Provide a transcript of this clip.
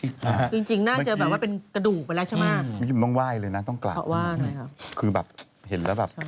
เดี๋ยวจะโดนงดอีกหรือเปล่า